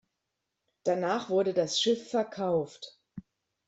Danach wurde das Schiff verkauft.